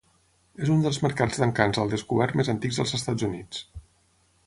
És un dels mercats d'encants al descobert més antics dels Estats Units.